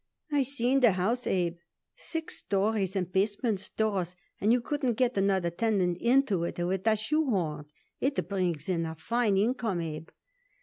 I seen the house, Abe, six stories and basement stores, and you couldn't get another tenant into it with a shoehorn. It brings in a fine income, Abe."